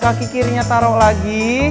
kaki kirinya taruh lagi